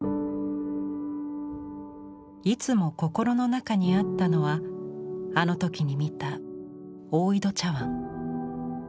いつも心の中にあったのはあの時に見た大井戸茶碗。